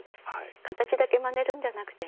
形だけまねるんじゃなくてね